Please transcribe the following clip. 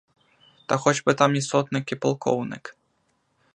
Та хоч би там і сотник, і полковник.